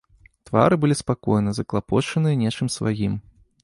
Твары былі спакойныя, заклапочаныя нечым сваім.